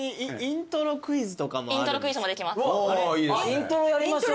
イントロやりましょうよ。